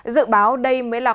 dự báo đây mới là khoảng thời gian